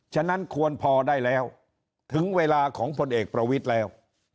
ฉะนั้นควรพอได้แล้วถึงเวลาของพลเอกประวิทย์แล้ว